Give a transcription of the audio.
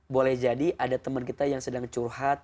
boleh jadi ada teman kita yang sedang curhat